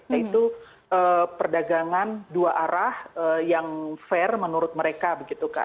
yaitu perdagangan dua arah yang fair menurut mereka begitu kak